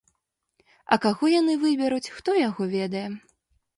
А каго яны выберуць, хто яго ведае.